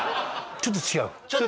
「ちょっと違う」。